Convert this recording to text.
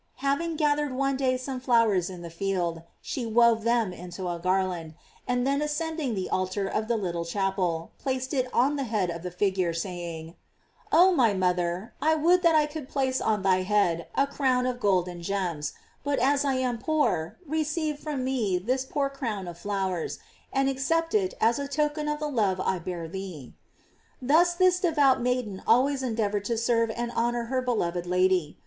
Having gathered one day some flowers in the fields, she wove them into a garland, and then ascending the altar of that little chapel, placed it on the head of the figure, saying: "Oh, my mother, I would that I could place on thy head a crown of gold and gems; but as I am poor, receive from me this poor crown of flowers, and accept it as a token of the love I bear thee." Thus this de vout maiden always endeavored to serve and honor her beloved Lady.